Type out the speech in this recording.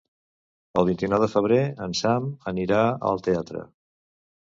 El vint-i-nou de febrer en Sam anirà al teatre.